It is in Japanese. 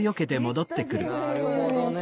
なるほどね。